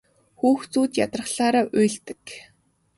Хүүхдүүд ядрахлаараа уйлдаг.